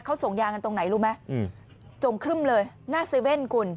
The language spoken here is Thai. เขาส่งยางกันตรงไหนรู้มั้ยจงครึ่มเลยหน้า๗คุณ